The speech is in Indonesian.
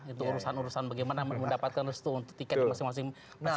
itu urusan urusan bagaimana mendapatkan restu untuk tiket masing masing kepala daerah